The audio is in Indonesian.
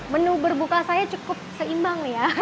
menu berbuka saya cukup seimbang ya